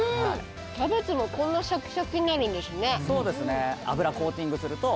キャベツもこんなシャキシャキになるんですね